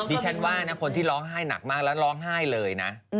ดิฉันว่านะคนที่ร้องไห้หนักมากแล้วร้องไห้เลยนะ